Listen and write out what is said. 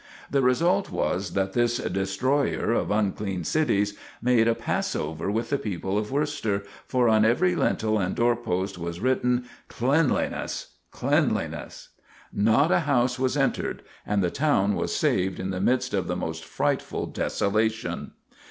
The result was that this "destroyer" of unclean cities made a Passover with the people of Worcester, for on every lintel and door post was written Cleanliness, Cleanliness. Not a house was entered, and the town was saved in the midst of the most frightful desolation.